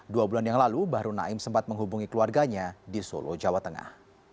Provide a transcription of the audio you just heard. dua bulan yang lalu bahru naim sempat menghubungi keluarganya di solo jawa tengah